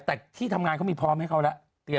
แต่ที่ทำงานเขามีพร้อมให้เขาแล้ว